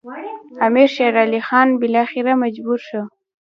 امیر شېر علي خان بالاخره مجبور شو.